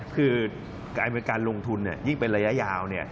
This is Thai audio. คือการลงทุนยิ่งเป็นระยะยาว